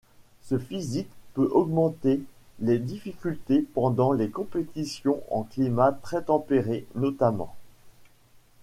Ce physique peut augmenter les difficultés pendant les compétitions en climats très tempérés notamment.